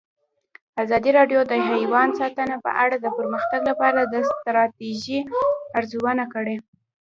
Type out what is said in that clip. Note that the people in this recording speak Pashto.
ازادي راډیو د حیوان ساتنه په اړه د پرمختګ لپاره د ستراتیژۍ ارزونه کړې.